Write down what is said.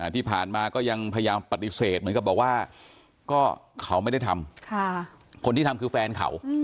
ที่ผ่านมาก็ยังพยายามปฏิเสธเหมือนกับบอกว่าก็เขาไม่ได้ทำคนที่ทำคือแฟนเขา